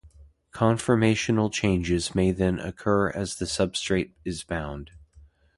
Conformational changes may then occur as the substrate is bound.